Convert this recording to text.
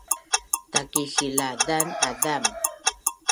takisilazan azam